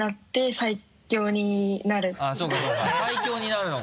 最強になるのか。